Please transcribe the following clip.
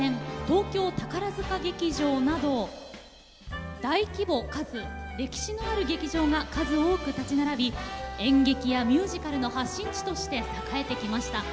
東京宝塚劇場など大規模かつ歴史のある劇場が数多く立ち並び演劇やミュージカルの発信地として栄えてきました。